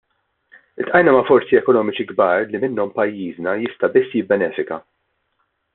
Iltqajna ma' forzi ekonomiċi kbar li minnhom pajjiżna jista' biss jibbenefika.